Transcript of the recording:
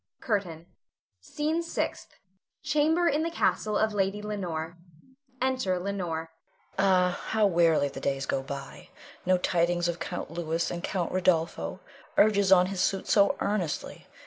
CURTAIN. SCENE SIXTH. [Chamber in the castle of Lady Leonore. Enter Leonore.] Leonore. Ah, how wearily the days go by. No tidings of Count Louis, and Count Rodolpho urges on his suit so earnestly.